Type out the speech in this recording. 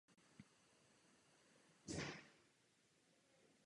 Je podlouhlého charakteru.